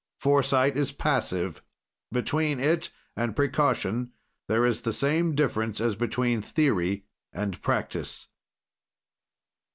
"Foresight is passive; between it and precaution there is the same difference as between theory and practise.